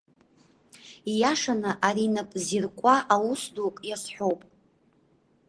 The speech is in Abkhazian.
Ииашаны, ари нап зиркуа аус дук иазҳәоуп.